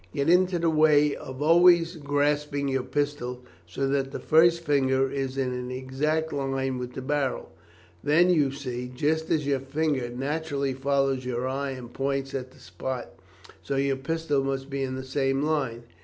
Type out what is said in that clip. Get into the way of always grasping your pistol so that the first finger is in an exact line with the barrel, then, you see, just as your finger naturally follows your eye and points at the spot, so your pistol must be in the same line.